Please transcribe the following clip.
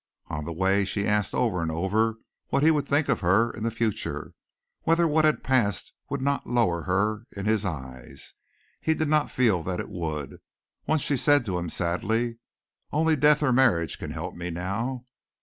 On the way she asked over and over what he would think of her in the future; whether what had passed would not lower her in his eyes. He did not feel that it would. Once she said to him sadly "only death or marriage can help me now."